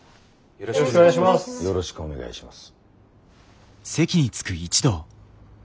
よろしくお願いします。